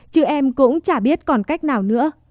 chứ em cũng chả biết còn cách nào nữa